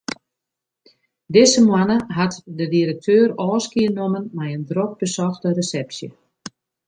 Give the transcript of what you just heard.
Dizze moanne hat de direkteur ôfskie nommen mei in drok besochte resepsje.